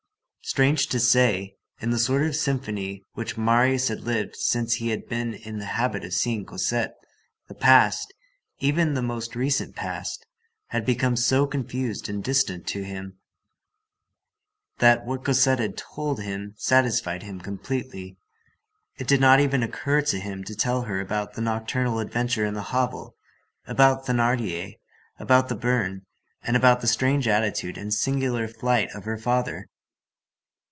Strange to say, in the sort of symphony which Marius had lived since he had been in the habit of seeing Cosette, the past, even the most recent past, had become so confused and distant to him, that what Cosette told him satisfied him completely. It did not even occur to him to tell her about the nocturnal adventure in the hovel, about Thénardier, about the burn, and about the strange attitude and singular flight of her father.